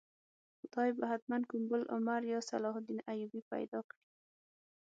خدای به حتماً کوم بل عمر یا صلاح الدین ایوبي پیدا کړي.